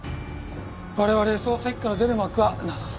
我々捜査一課の出る幕はなさそうですね。